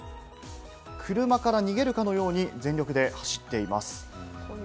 車から逃げるかのように、全力で走っています。